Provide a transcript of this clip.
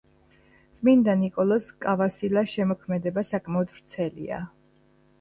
წმინდა ნიკოლოზ კავასილას შემოქმედება საკმაოდ ვრცელია.